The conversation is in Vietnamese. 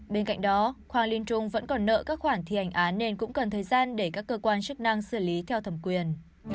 bên cạnh đó khoa liên trung vẫn còn nợ các khoản thi hành án nên cũng cần thời gian để các cơ quan chức năng xử lý theo thẩm quyền